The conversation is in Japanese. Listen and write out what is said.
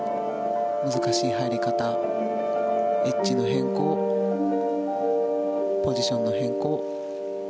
難しい入り方、エッジの変更ポジションの変更